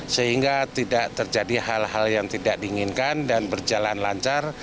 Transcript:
sehingga tidak terjadi hal hal yang tidak diinginkan dan berjalan lancar